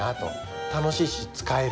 楽しいし使える。